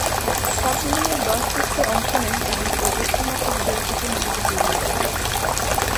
সব মিলিয়ে দশ টেস্টে অংশ নেন তিনি ও একটিমাত্র বিজয়ের সাথে নিজেকে জড়িয়ে রাখেন।